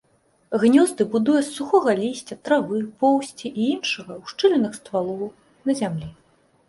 Гнёзды будуе з сухога лісця, травы, поўсці і іншага ў шчылінах ствалоў, на зямлі.